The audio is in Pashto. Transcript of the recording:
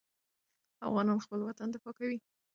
افغانان خپل وطن دفاع کوي.